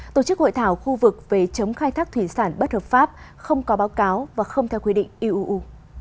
tổ chức hội thảo khu vực về chống khai thác thủy sản bất hợp pháp không có báo cáo và không theo quy định iuu